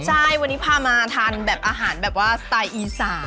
ใช่วันนี้พามาทานแบบอาหารแบบว่าสไตล์อีสาน